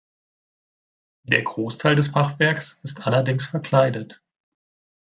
Der Großteil des Fachwerks ist allerdings verkleidet.